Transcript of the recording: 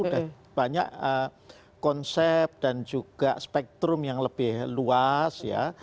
sudah banyak konsep dan juga spektrum yang lebih luas ya